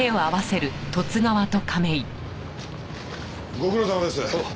ご苦労さまです。